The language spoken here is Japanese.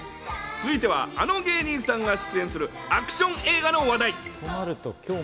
続いては、あの芸人さんが出演するアクション映画の話題。